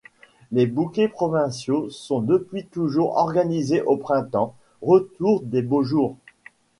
Les bouquets provinciaux sont depuis toujours organisés au printemps, retour des beaux jours.